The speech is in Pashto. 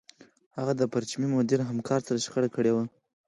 هغه د پرچمي مدیر همکار سره شخړه کړې وه